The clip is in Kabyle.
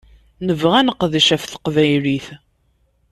Nebɣa ad neqdec ɣef teqbaylit.